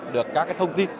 được các cái thông tin